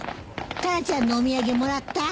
タラちゃんのお土産もらった？